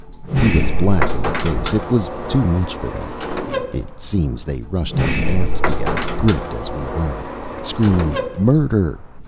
He was black in the face. It was too much for them. It seems they rushed us aft together, gripped as we were, screaming 'Murder!